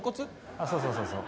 ああそうそうそうそう。